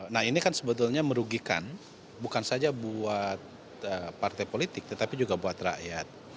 nah ini kan sebetulnya merugikan bukan saja buat partai politik tetapi juga buat rakyat